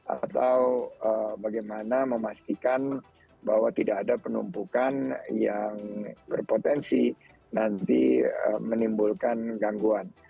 atau bagaimana memastikan bahwa tidak ada penumpukan yang berpotensi nanti menimbulkan gangguan